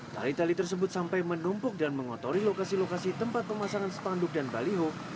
tali tali tersebut sampai menumpuk dan mengotori lokasi lokasi tempat pemasangan spanduk dan baliho